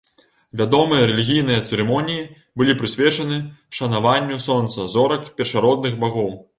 Вядомыя рэлігійныя цырымоніі былі прысвечаны шанаванню сонца, зорак, першародных багоў.